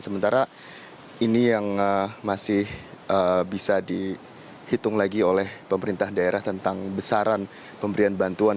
sementara ini yang masih bisa dihitung lagi oleh pemerintah daerah tentang besaran pemberian bantuan